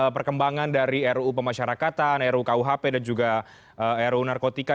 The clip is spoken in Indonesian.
perkembangan dari ruu pemasyarakatan rukuhp dan juga ruu narkotika